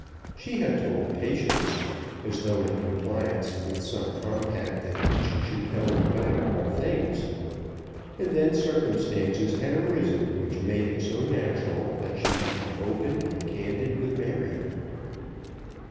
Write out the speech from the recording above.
She had told Patience, as though in compliance with some compact that each should ever tell the other all things. And then circumstances had arisen which made it so natural that she should be open and candid with Mary.